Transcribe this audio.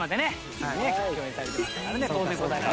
一緒にね共演されてましたからね当然答えられます。